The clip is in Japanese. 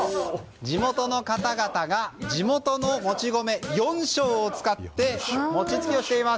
地元の方々が地元のもち米４升を使って餅つきをしています。